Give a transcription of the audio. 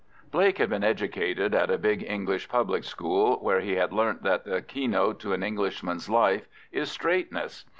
Blake had been educated at a big English public school, where he had learnt that the keynote to an Englishman's life is straightness.